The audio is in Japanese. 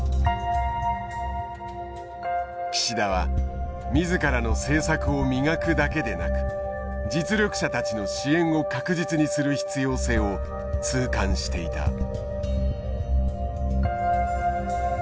岸田は自らの政策を磨くだけでなく実力者たちの支援を確実にする必要性を痛感していた。